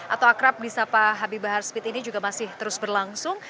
atau akrab di sapa habib bahar smith ini juga masih terus berlangsung